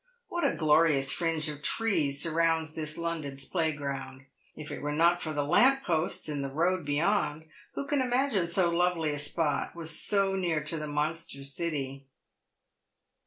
What a glorious fringe of trees surrounds this London's playground ! If it were not for the lamp posts in the road beyond, who could imagine so lovely a spot was so near to the monster city.